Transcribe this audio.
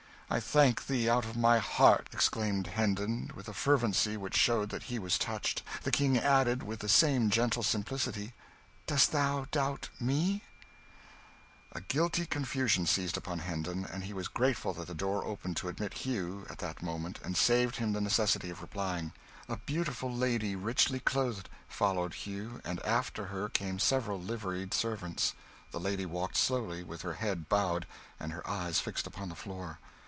"I thank thee out of my heart!" exclaimed Hendon with a fervency which showed that he was touched. The King added, with the same gentle simplicity "Dost thou doubt me?" A guilty confusion seized upon Hendon, and he was grateful that the door opened to admit Hugh, at that moment, and saved him the necessity of replying. A beautiful lady, richly clothed, followed Hugh, and after her came several liveried servants. The lady walked slowly, with her head bowed and her eyes fixed upon the floor.